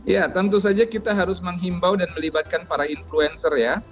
ya tentu saja kita harus menghimbau dan melibatkan para influencer ya